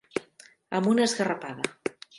Amb una esgarrapada.